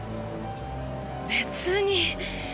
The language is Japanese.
別に。